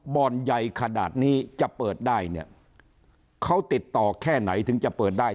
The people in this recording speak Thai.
บ่อนใหญ่ขนาดนี้จะเปิดได้เนี่ยเขาติดต่อแค่ไหนถึงจะเปิดได้